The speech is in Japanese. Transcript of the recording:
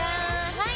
はい！